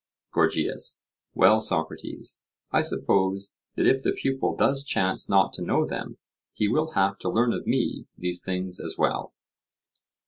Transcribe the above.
GORGIAS: Well, Socrates, I suppose that if the pupil does chance not to know them, he will have to learn of me these things as well.